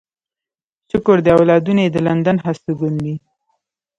شکر دی اولادونه يې د لندن هستوګن دي.